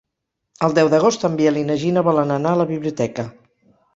El deu d'agost en Biel i na Gina volen anar a la biblioteca.